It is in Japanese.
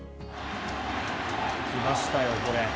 きましたよ、これ。